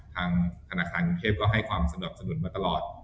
ทางธนาคารกรุงเทพก็ให้ความสนับสนุนมาตลอด